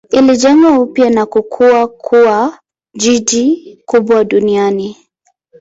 Ilijengwa upya na kukua kuwa jiji kubwa duniani.